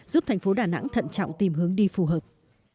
giúp thành phố đà nẵng thận trọng tìm hướng đi phù hợp